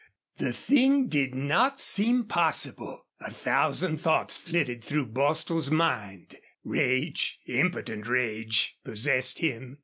The thing did not seem possible. A thousand thoughts flitted through Bostil's mind. Rage, impotent rage, possessed him.